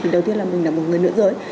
đầu tiên là mình là một người lưỡng dối